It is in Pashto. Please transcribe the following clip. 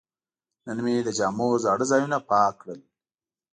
نن مې د جامو زاړه ځایونه پاک کړل.